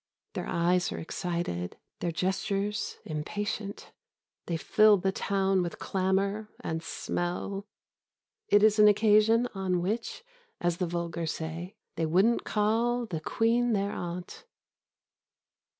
Their eyes are excited, their gestures impatient. They fill the town with clamour and smell. It is an occasion on which, as the vulgar say, they wouldn't call the Queen their aunt....